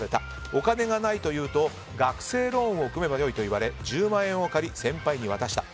お金がないというと学生ローンを組めばよいと言われ１０万円を借り、先輩に渡した。